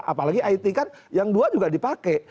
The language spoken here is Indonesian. apalagi it kan yang dua juga dipakai